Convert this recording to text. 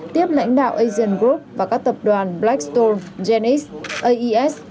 tiếp lãnh đạo asian group và các tập đoàn blackstone genx aes